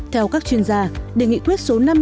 theo các chuyên gia địa nghị quyết số năm mươi năm